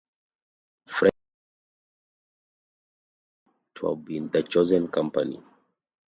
French Naval group is believed to have been the chosen company.